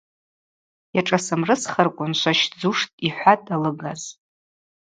Йашӏасымрысхырквын – шващдзуштӏ, – йхӏватӏ алыгажв.